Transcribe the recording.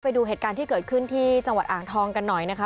ไปดูเหตุการณ์ที่เกิดขึ้นที่จังหวัดอ่างทองกันหน่อยนะคะ